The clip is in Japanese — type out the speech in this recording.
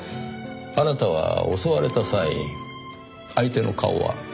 あなたは襲われた際相手の顔は？